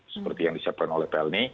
seperti yang disiapkan oleh pelni